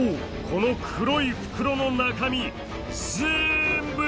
この黒い袋の中身ぜんぶ